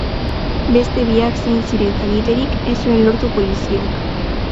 Beste biak zein ziren jakiterik ez zuen lortu Poliziak.